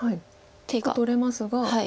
１個取れますが。